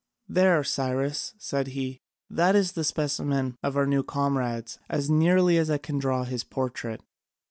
There, Cyrus," said he, "that is a specimen of our new comrades, as nearly as I can draw his portrait."